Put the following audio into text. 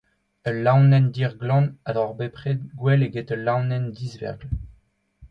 Ul laonenn dir glan a droc'h bepred gwell eget ul laonenn disvergl.